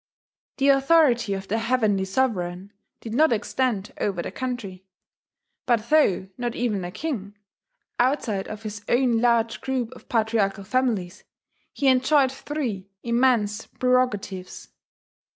The authority of the "heavenly sovereign" did not extend over the country. But though not even a king, outside of his own large group of patriarchal families, he enjoyed three immense prerogatives.